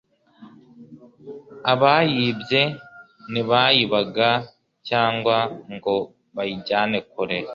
abayibye ntibayibaga cyangwa ngo bayijyane kure